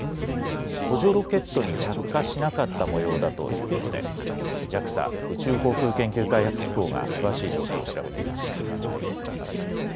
補助ロケットに着火しなかったもようだということでＪＡＸＡ・宇宙航空研究開発機構が詳しい状況を調べています。